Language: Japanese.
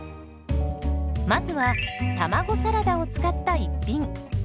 まずは卵サラダを使った一品。